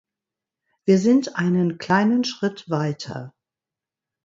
Wir sind einen kleinen Schritt weiter.